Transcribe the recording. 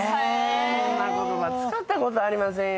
そんな言葉使ったことありませんよ。